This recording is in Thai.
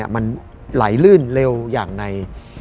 มันไหลลื่นเร็วอย่างใน